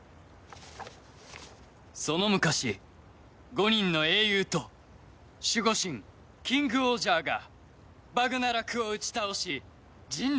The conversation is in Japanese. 「その昔５人の英雄と守護神キングオージャーがバグナラクを打ち倒し人類を救った」